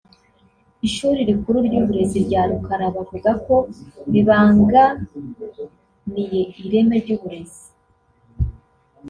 ishuri rikuru ry’uburezi rya Rukara bavuga ko bibangamiye ireme ry’uburezi